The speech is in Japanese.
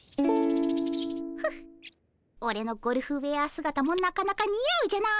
フッオレのゴルフウェア姿もなかなかにあうじゃないかっ。